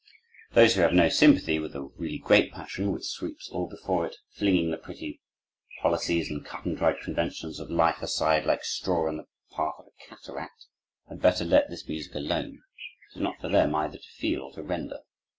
Those who have no sympathy with a really great passion which sweeps all before it, flinging the pretty policies and cut and dried conventions of life aside like straw in the path of a cataract, had better let this music alone. It is not for them either to feel or to render.